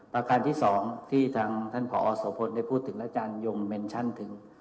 ประการที่สองที่ท่านพอสโภพลได้พูดถึงแล้วอาจารย์ยงเมนชั่นถึง